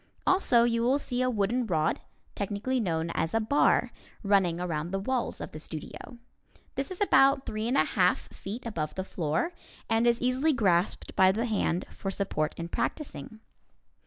Also you will see a wooden rod, technically known as a "bar," running around the walls of the studio. This is about three and a half feet above the floor, and is easily grasped by the hand for support in practicing.